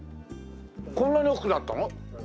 こんなに大きくなったの？